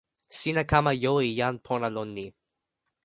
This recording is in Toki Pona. sina kama jo e jan pona lon ni.